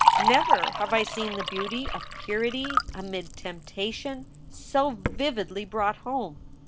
Never have I seen the beauty of purity amid tempta tion so vividly brought home.